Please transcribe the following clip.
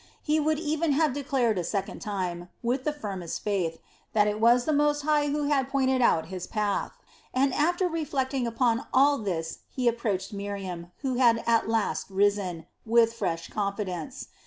He would even have declared a second time, with the firmest faith, that it was the Most High who had pointed out his path, and after reflecting upon all this he approached Miriam, who had at last risen, with fresh confidence.